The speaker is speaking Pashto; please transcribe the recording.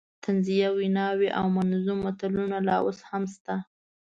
طنزیه ویناوې او منظوم متلونه لا اوس هم شته.